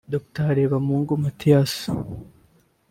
Dr Harebamungu Mathias